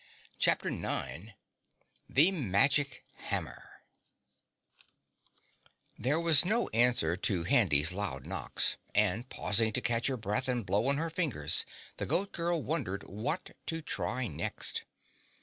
CHAPTER 9 The Magic Hammer There was no answer to Handy's loud knocks, and pausing to catch her breath and blow on her fingers, the Goat Girl wondered what to try next.